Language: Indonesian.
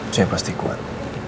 saya pasti kuat